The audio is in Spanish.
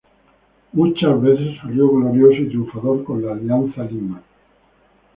Muchas veces salió glorioso y triunfador con el Alianza Lima.